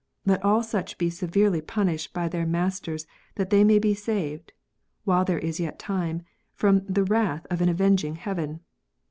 Let all such be severely punished by their masters that they may be saved, while there is yet time, from the wrath of an avenging Heaven.